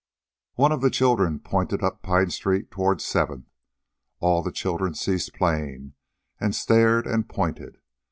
One of the children pointed up Pine Street toward Seventh. All the children ceased playing, and stared and pointed.